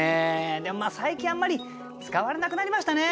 でも最近あんまり使われなくなりましたね。